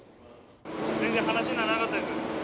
全然話にならなかったです。